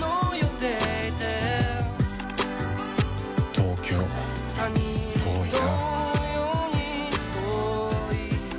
東京、遠いな。